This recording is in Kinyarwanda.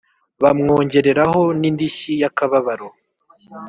bamwongereraho n'indishyi y'akababaro